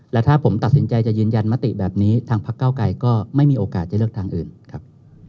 และถ้าผมตัดสินใจจะยืนยันมติแบบนี้ทางพักเก้าไกรก็ไม่มีโอกาสจะเลือกทางอื่นครับ